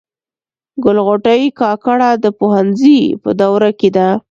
ګل غوټۍ کاکړه د پوهنځي په دوره کي ده.